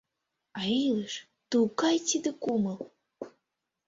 А илыш — тугай тиде кумыл